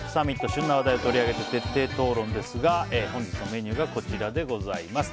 旬な話題を取り上げて徹底討論ですが本日のメニューがこちらです。